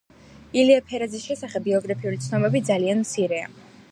ილია ფერაძის შესახებ ბიოგრაფიული ცნობები ძალიან მცირეა.